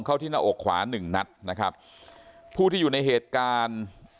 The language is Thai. เข้าที่น้าอกขวาน๑นัทนะครับผู้ที่อยู่ในเหตุการณ์